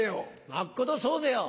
まっことそうぜよ。